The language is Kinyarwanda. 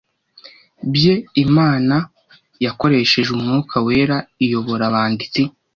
Bye imana yakoresheje umwuka wera iyobora abanditsi